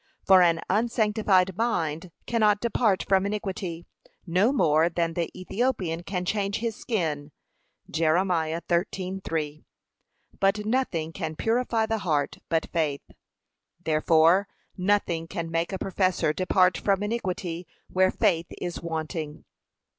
For, an unsanctified mind cannot depart from iniquity, no more than the Ethiopian can change his skin. (Jer. 13:3) But nothing can purify the heart but faith. Therefore nothing can make a professor depart from iniquity where faith is wanting.